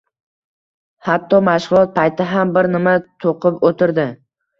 Hatto mashgʻulot payti ham bir nima toʻqib oʻtirdi.